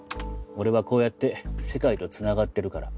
俺はこうやって世界と繋がってるから。